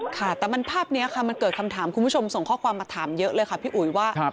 ค่ะแต่มันภาพนี้ค่ะมันเกิดคำถามคุณผู้ชมส่งข้อความมาถามเยอะเลยค่ะพี่อุ๋ยว่า